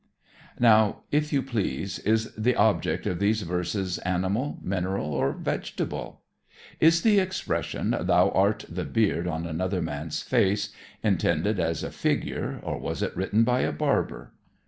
Now, if you please, is the object of these verses animal, mineral or vegetable? Is the expression, "Thou art the beard on another man's face," intended as a figure, or was it written by a barber?